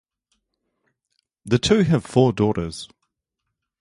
The two have four daughters.